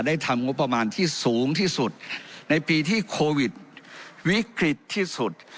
ทำงบประมาณที่สูงที่สุดในปีที่โควิดวิกฤตที่สุด